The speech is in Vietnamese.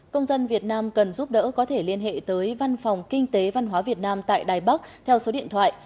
công dân việt nam cần giúp đỡ có thể liên hệ tới văn phòng kinh tế văn hóa việt nam tại đài bắc theo số điện thoại